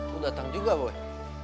lo datang juga boy